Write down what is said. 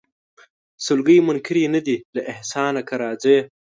سلګۍ منکري نه دي له احسانه که راځې